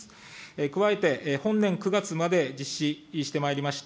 加えて、本年９月まで実施してまいりました